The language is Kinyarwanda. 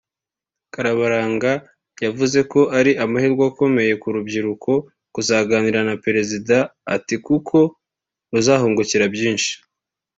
Karabaranga yavuze ko ari amahirwe akomeye ku rubyiruko kuzaganira na Perezida ati kuko ruzahungukira bwinshi